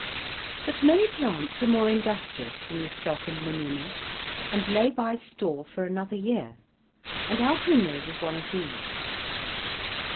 But many plants are more industrious than the stock and mignonette, and lay by store for another year, and our primrose is one of these.